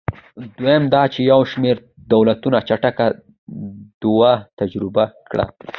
دویم دا چې یو شمېر دولتونو چټکه وده تجربه کړه.